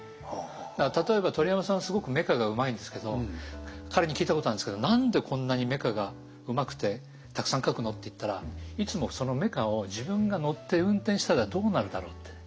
だから例えば鳥山さんはすごくメカがうまいんですけど彼に聞いたことあるんですけど「何でこんなにメカがうまくてたくさん描くの？」って言ったらいつもそのメカを自分が乗って運転したらどうなるだろうって。